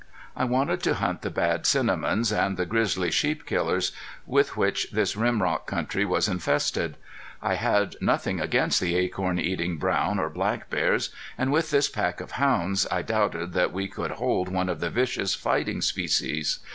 I wanted to hunt the bad cinnamons and the grizzly sheep killers, with which this rim rock country was infested. I had nothing against the acorn eating brown or black bears. And with this pack of hounds I doubted that we could hold one of the vicious fighting species.